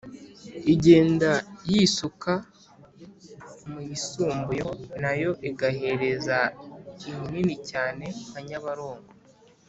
igenda yisuka mu yisumbuyeho na yo igahereza iminini cyane nka nyabarongo